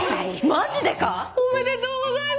マジでか⁉おめでとうございます！